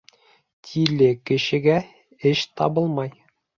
Тиле кешегә эш табылмай.